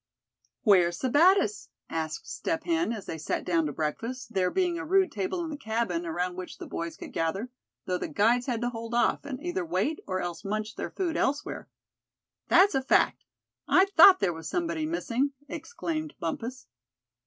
"Where's Sebattis?" asked Step Hen, as they sat down to breakfast, there being a rude table in the cabin, around which the boys could gather; though the guides had to hold off, and either wait, or else munch their food elsewhere. "That's a fact; I thought there was somebody missing!" exclaimed Bumpus.